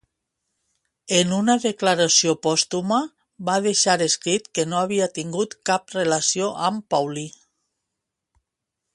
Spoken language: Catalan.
En una declaració pòstuma, va deixar escrit que no havia tingut cap relació amb Paulí.